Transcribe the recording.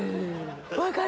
分かる！